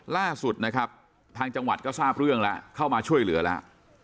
ล่าสุดนะครับทางจังหวัดก็ทราบเรื่องแล้วเข้ามาช่วยเหลือแล้ว